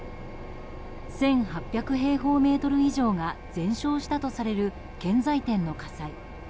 １８６７平方メートル以上が全焼したとされる建材店の火災。